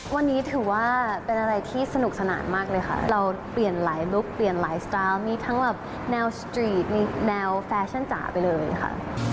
วันนี้ถือว่าเป็นอะไรที่สนุกสนานมากเลยค่ะเราเปลี่ยนหลายลุคเปลี่ยนหลายสตาร์ฟมีทั้งแบบแนวสตรีทมีแนวแฟชั่นจ๋าไปเลยค่ะ